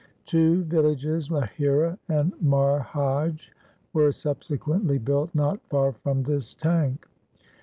Two villages, Lahira and Marhaj, were subsequently built not far from this tank.